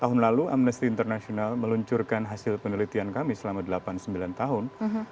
tahun lalu amnesty international meluncurkan hasil penelitian kami selama delapan sembilan tahun